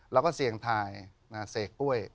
แล้วก็เสี่ยงทายเสกกล้วย